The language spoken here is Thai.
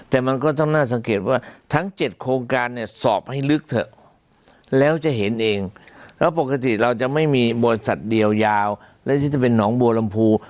แต่มันก็ต้องน่าสังเกตว่าทั้ง๗โครงการเนี่ยสอบให้ลึกเถอะแล้วจะเห็นเองแล้วปกติเราจะไม่มีบริษัทเดียวยาวและที่จะเป็นหนองบัวลำพู